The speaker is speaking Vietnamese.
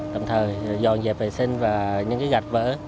tạm thời dọn dẹp vệ sinh và những cái gạch vỡ